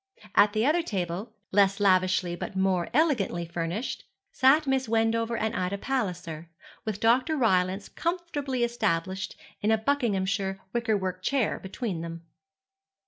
At the other table, less lavishly but more elegantly furnished, sat Miss Wendover and Ida Palliser, with Dr. Rylance comfortably established in a Buckinghamshire wickerwork chair between them.